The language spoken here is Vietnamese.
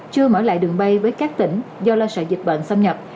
chưa mở lại đường bay với các tỉnh do lo sợ dịch bệnh xâm nhập